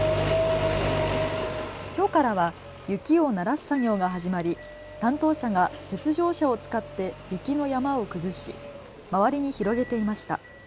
きょうからは雪をならす作業が始まり、担当者が雪上車を使って雪の山を崩し周りに広げていました。